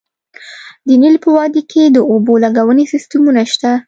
د نیل په وادۍ کې د اوبو لګونې سیستمونه شته